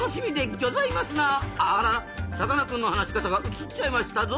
あららさかなクンの話し方がうつっちゃいましたぞ。